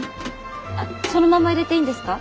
あっそのまま入れていいんですか？